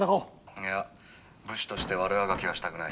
「いや武士として悪あがきはしたくない。